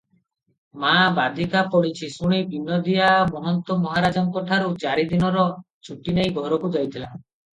ମା ବାଧିକା ପଡିଛି ଶୁଣି ବିନୋଦିଆ ମହନ୍ତ ମହାରାଜଙ୍କଠାରୁ ଚାରିଦିନର ଛୁଟି ନେଇ ଘରକୁ ଯାଇଥିଲା ।